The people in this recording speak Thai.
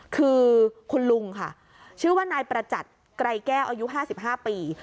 คือคุณลุงค่ะชื่อว่านายประจัดไกรแก้วอายุ๕๕ปี